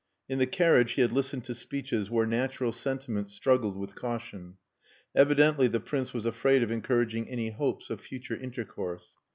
In the carriage he had listened to speeches where natural sentiment struggled with caution. Evidently the Prince was afraid of encouraging any hopes of future intercourse.